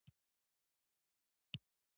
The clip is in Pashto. د ناستې عدالت مراعت کړي.